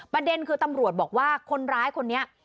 ประเด็นคือตำรวจบอกว่าคนร้ายคนนี้